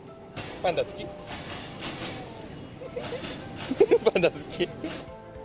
パンダ好き？